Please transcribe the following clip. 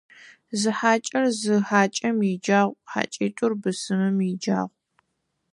Зы хьакӀэр зы хьакӀэм иджагъу, хьакӀитӀур бысымым иджагъу.